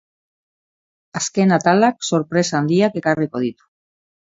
Azken atalak sorpresa handiak ekarriko ditu.